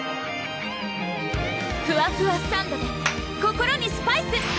ふわふわサンドｄｅ心にスパイス！